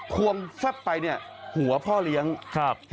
ควงแฟบไปเนี่ยหัวพ่อเลี้ยงครับ